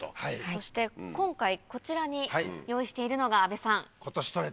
そして今回こちらに用意しているのが阿部さん。